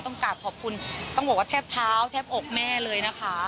กราบขอบคุณต้องบอกว่าแทบเท้าแทบอกแม่เลยนะคะ